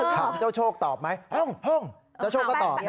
ถามเจ้าโชคตอบไหมเพิ่งเจ้าโชคก็ตอบไง